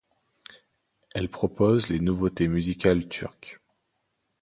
Elle propose les nouveautés musicales turques.